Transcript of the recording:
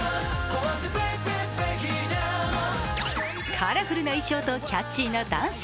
カラフルな衣装とキャッチーなダンス。